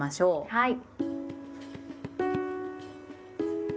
はい。